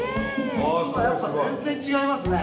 やっぱ全然違いますね。